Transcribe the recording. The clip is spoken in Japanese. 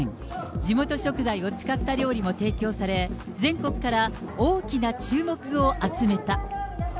地元食材を使った料理も提供され、全国から大きな注目を集めた。